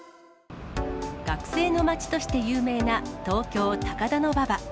学生の街として有名な東京・高田馬場。